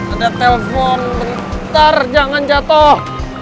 ada telpon bentar jangan jatuh